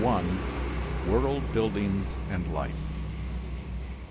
WORLD BUILDING AND LIFE.